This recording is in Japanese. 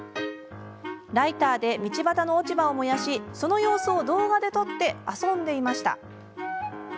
ライターで道端の落ち葉を燃やしその様子を動画で撮って遊んでいました。